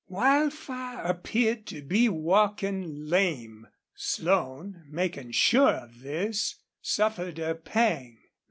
Wildfire appeared to be walking lame. Slone, making sure of this, suffered a pang.